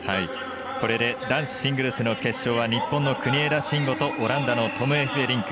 これで男子シングルスシングルスの決勝は日本の国枝慎吾とオランダのトム・エフベリンク。